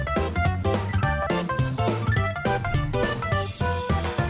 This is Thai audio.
โปรดติดตามตอนต่อไป